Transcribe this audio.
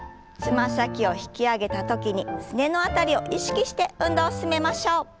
つま先を引き上げた時にすねの辺りを意識して運動を進めましょう。